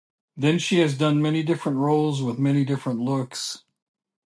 Then she has done many different roles with many different looks.